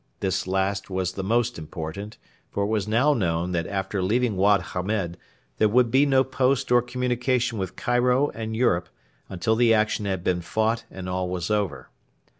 This last was the most important, for it was now known that after leaving Wad Hamed there would be no post or communication with Cairo and Europe until the action had been fought and all was over.